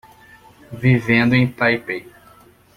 Vivendo em Taipei